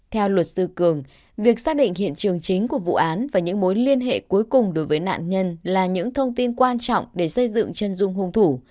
theo luật sư cường việc xác định hiện trường chính của vụ án và những mối liên hệ cuối cùng đối với nạn nhân là những thông tin quan trọng để xây dựng chân dung hung thủ